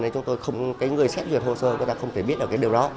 cho nên người xét duyệt hồ sơ người ta không thể biết được điều đó